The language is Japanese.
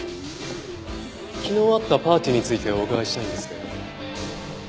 昨日あったパーティーについてお伺いしたいんですけど。